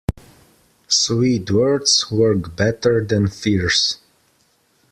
Sweet words work better than fierce.